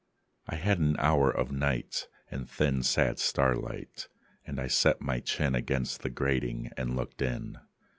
I had an hour of night and thin Sad starlight; and I set my chin Against the grating and looked in.